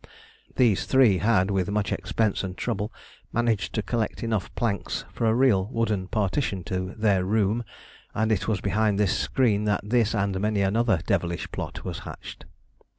These three had, with much expense and trouble, managed to collect enough planks for a real wooden partition to their "room," and it was behind this screen that this and many another devilish plot was hatched.